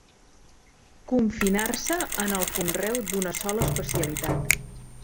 Confinar-se en el conreu d'una sola especialitat.